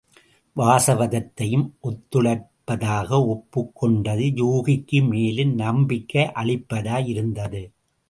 வாசவதத்தையும் ஒத்துழைப்பதாக ஒப்புக் கொண்டது யூகிக்கு மேலும் நம்பிக்கை அளிப்பதாயிருந்தது.